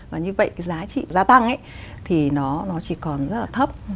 và như vậy cái giá trị gia tăng thì nó chỉ còn rất là thấp